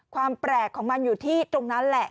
ความแปลกของมันอยู่ที่ตรงนั้นแหละ